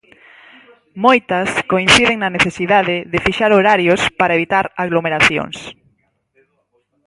Moitas coinciden na necesidade de fixar horarios para evitar aglomeracións.